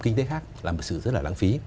kinh tế khác là một sự rất là lãng phí